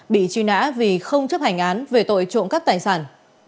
bị truy nã vì không chấp hành án về tội trộm cắp tài sản